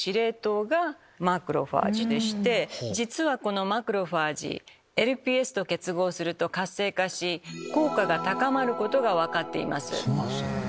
実はこのマクロファージＬＰＳと結合すると活性化し効果が高まることが分かっています。